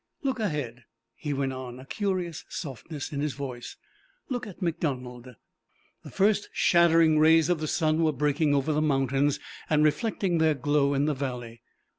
"Look ahead," he went on, a curious softness in his voice. "Look at MacDonald!" The first shattered rays of the sun were breaking over the mountains and reflecting their glow in the valley.